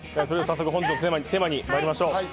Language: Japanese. それでは早速、本日のテーマに参りましょう。